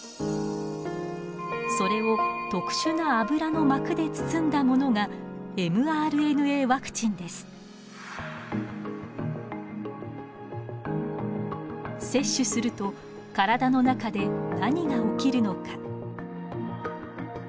それを特殊な脂の膜で包んだものが接種すると体の中で何が起きるのか。